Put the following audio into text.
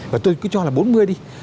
và tôi cứ cho là bốn mươi đi